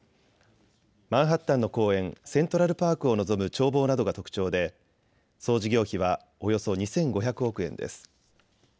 マンハッタンの公園、セントラル・パークを望む眺望などが特徴で総事業費はおよそ２５００億円です。